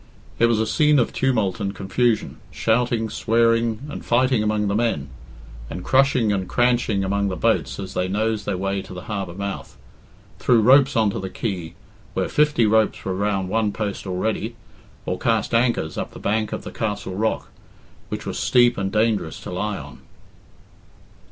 It was a scene of tumult and confusion shouting, swearing, and fighting among the men, and crushing and cranching among the boats as they nosed their way to the harbour mouth, threw ropes on to the quay, where fifty ropes were round one post already, or cast anchors up the bank of the castle rock, which was steep and dangerous to lie on.